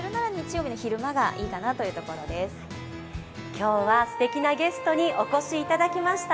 今日はすてきなゲストにお越しいただきました。